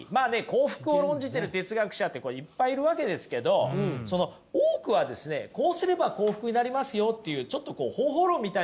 幸福を論じてる哲学者ってこれいっぱいいるわけですけどその多くはですねこうすれば幸福になりますよっていうちょっとこう方法論みたいなものばかりなんですよね。